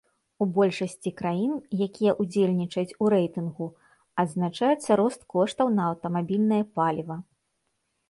У большасці краін, якія ўдзельнічаюць у рэйтынгу, адзначаецца рост коштаў на аўтамабільнае паліва.